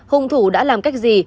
hùng thủ đã làm cách gì